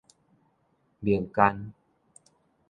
名間